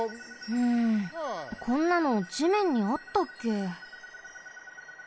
うんこんなの地面にあったっけ？